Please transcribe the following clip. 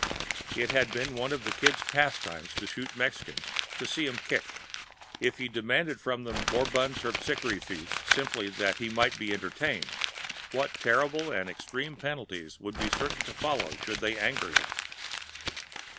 It had been one of the Kid's pastimes to shoot Mexicans "to see them kick": if he demanded from them moribund Terpsichorean feats, simply that he might be entertained, what terrible and extreme penalties would be certain to follow should they anger him!